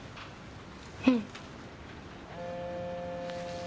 うん。